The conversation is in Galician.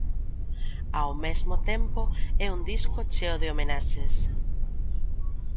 Ao mesmo tempo, é un disco cheo de homenaxes.